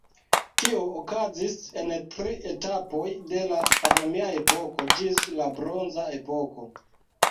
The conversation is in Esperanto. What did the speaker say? Tio okazis en tri etapoj de la romia epoko ĝis la bronza epoko.